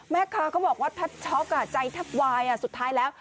แม่ค้าเขาบอกว่าแทบช็อกใจแทบวายสุดท้ายแล้ว